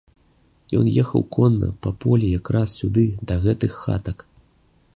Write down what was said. Ён ехаў конна па полі якраз сюды, да гэтых хатак.